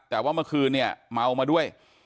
แต่ว่าเมื่อคืนเนี่ยเมามาด้วย